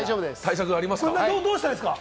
どうしたらいいですか？